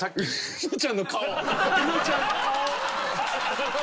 うのちゃんの顔！